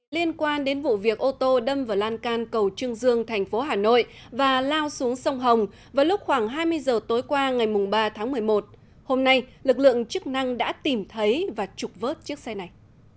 liên quan đến vụ việc ô tô đâm vào lan can cầu trương dương thành phố hà nội và lao xuống sông hồng vào lúc khoảng hai mươi giờ tối qua ngày ba tháng một mươi một hôm nay lực lượng chức năng đã tìm thấy và trục vớt chiếc xe này